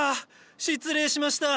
失礼しました。